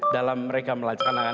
dalam mereka melaksanakan